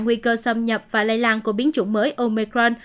nguy cơ xâm nhập và lây lan của biến chủng mới omecran